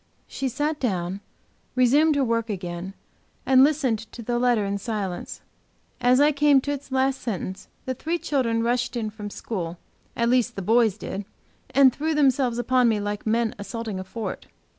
She sat down, resumed her work again, and listened to the letter in silence. As I came to its last sentence the three children rushed in from school, at least the boys did, and threw themselves upon me like men assaulting a fort.